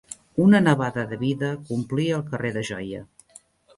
Una nevada de vida que omplia el carrer de joia.